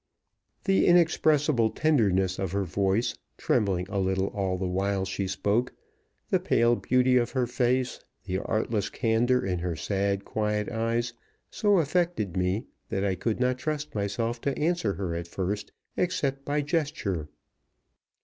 The inexpressible tenderness of her voice, trembling a little all the while she spoke, the pale beauty of her face, the artless candor in her sad, quiet eyes, so affected me that I could not trust myself to answer her at first except by gesture.